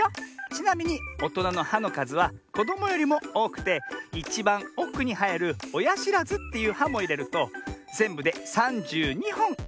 ちなみにおとなの「は」のかずはこどもよりもおおくていちばんおくにはえる「おやしらず」っていう「は」もいれるとぜんぶで３２ほんあるんだね。